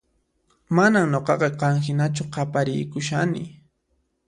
Manan nuqaqa qan hinachu qapariykushani